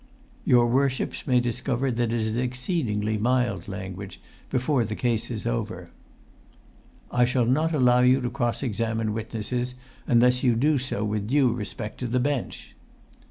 [Pg 152]"Your worships may discover that it is exceedingly mild language, before the case is over." "I shall not allow you to cross examine witnesses unless you do so with due respect to the bench."